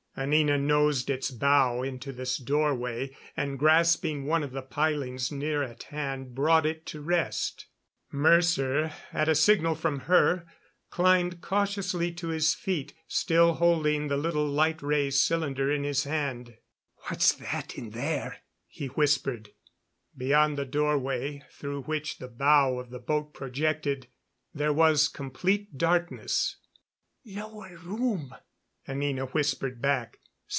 Anina nosed its bow into this doorway, and grasping one of the pilings near at hand, brought it to rest. Mercer, at a signal from her, climbed cautiously to his feet, still holding the little light ray cylinder in his hand. "What's that in there?" he whispered. Beyond the doorway, through which the bow of the boat projected, there was complete darkness. "Lower room," Anina whispered back.